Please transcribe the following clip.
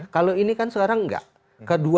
kalau ini kan sekarang enggak kedua